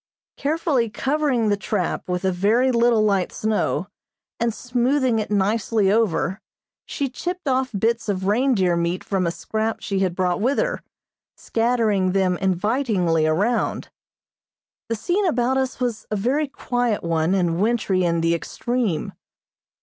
Carefully covering the trap with a very little light snow and smoothing it nicely over, she chipped off bits of reindeer meat from a scrap she had brought with her, scattering them invitingly around. The scene about us was a very quiet one and wintry in the extreme.